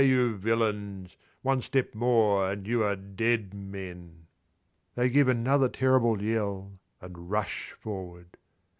you villains! One step more and you are dead men." They give another terrible yell and rush forward.